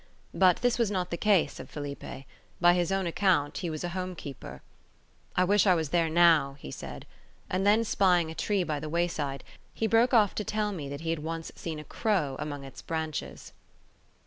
But this was not the case of Felipe; by his own account, he was a home keeper; "I wish I was there now," he said; and then, spying a tree by the wayside, he broke off to tell me that he had once seen a crow among its branches.